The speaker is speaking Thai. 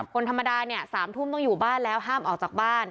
คนธรรมดาเนี่ย๓ทุ่มต้องอยู่บ้านแล้วห้ามออกจากบ้าน